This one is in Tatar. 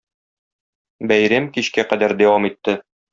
Бәйрәм кичкә кадәр дәвам итте.